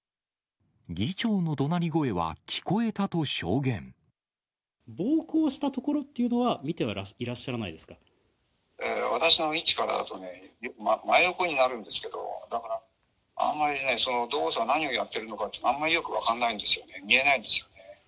議長のどなり声は聞こえたと暴行したところっていうのは、私の位置からだとね、真横になるんですけど、だからあんまりね、動作、何をやっているかというのは、あんまりよく分かんないんですよね、見えないんですよね。